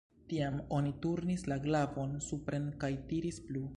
Tiam oni turnis la glavon supren kaj tiris plu.